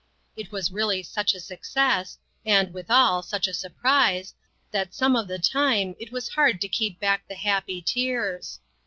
It was really such a success, and, withal, such a surprise, that some of the time it was hard to keep back the happy tears.